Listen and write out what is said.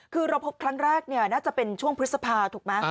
คือเราพบครั้งแรกน่าจะเป็นช่วงพฤษภาถูกไหม